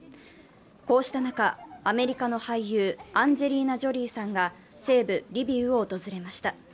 こうした中、アメリカの俳優、アンジェリーナ・ジョリーさんが西部リビウを訪れました。